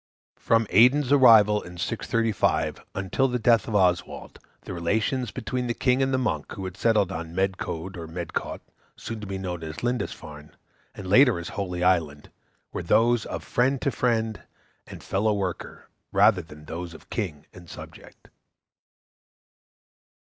From Aidan's arrival in 635 until the death of Oswald the relations between the king and the monk who had settled on Medcaud or Medcaut, soon to be known as Lindisfarne, and later as Holy Island, were those of friend to friend and fellow worker, rather than those of king and subject.